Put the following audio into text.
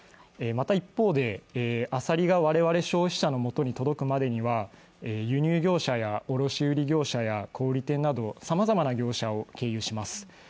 また一方で、アサリが我々消費者の元に届くまでには輸入業者や卸売業者や小売店などさまざまな業者を経由します。